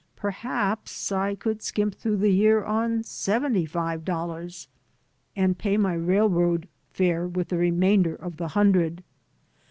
Perhaps I could skimp through the year on seventy five dollars and pay my railroad fare with the remainder of the hundred.